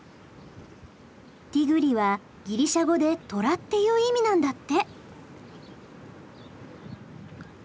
ティグリはギリシャ語で虎っていう意味なんだって。